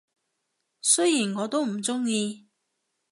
雖然我都唔鍾意